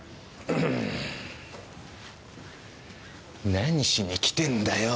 何しに来てんだよ。